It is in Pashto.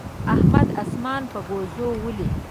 احمد اسمان په ګوزو ولي.